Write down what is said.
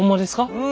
うん。